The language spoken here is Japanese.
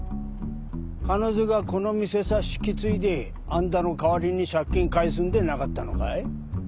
彼女がこの店さ引き継いであんたの代わりに借金返すんでなかったのかい？